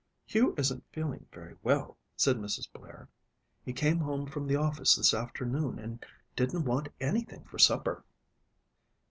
"Hugh isn't feeling very well," said Mrs. Blair. "He came home from the office this afternoon and didn't want anything for supper."